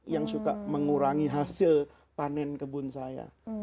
yang suka mengurangi hasil panen kebun saya